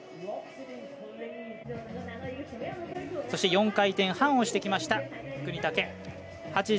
そして、４回転半をしてきた國武。